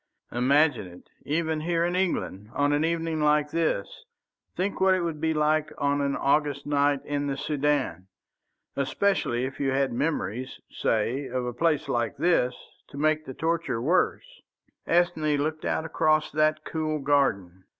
Imagine it, even here in England, on an evening like this! Think what it would be on an August night in the Soudan! Especially if you had memories, say, of a place like this, to make the torture worse." Ethne looked out across that cool garden.